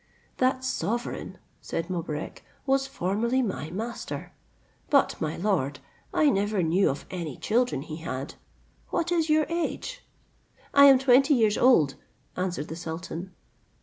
"That sovereign," said Mobarec, "was formerly my master; but, my lord, I never knew of any children he had: what is your age?" "I am twenty years old," answered the sultan.